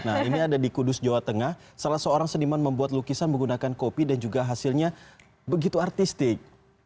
nah ini ada di kudus jawa tengah salah seorang seniman membuat lukisan menggunakan kopi dan juga hasilnya begitu artistik